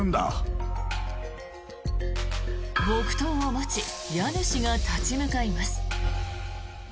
木刀を持ち家主が立ち向かいます。